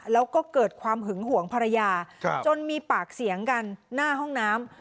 แล้วก็เกิดความหึงห่วงภรรยาจนมีปากเสียงกันหน้าห้องน้ำ